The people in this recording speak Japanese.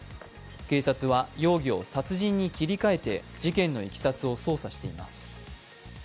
警察は容疑を殺人に切り替えて事件のいきさつを捜査しています。